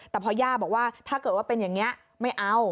แต่พอย่าบอกว่าถ้าเกิดว่าเป็นอย่างนี้ไม่เอา